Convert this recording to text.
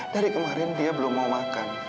dari kemarin dia belum mau makan